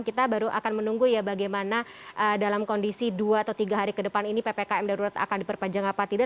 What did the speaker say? kita baru akan menunggu ya bagaimana dalam kondisi dua atau tiga hari ke depan ini ppkm darurat akan diperpanjang apa tidak